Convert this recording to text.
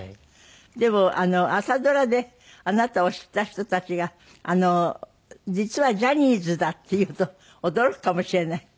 でも朝ドラであなたを知った人たちが実はジャニーズだって言うと驚くかもしれない。